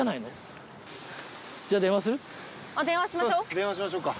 電話しましょうか。